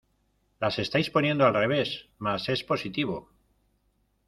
¡ Las estáis poniendo al revés! Más es positivo.